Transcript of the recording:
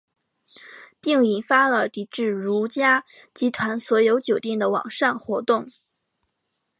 并引发了抵制如家集团所有酒店的网上活动。